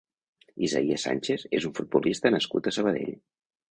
Isaías Sánchez és un futbolista nascut a Sabadell.